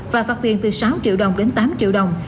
và phạt tiền từ sáu triệu đồng đến tám triệu đồng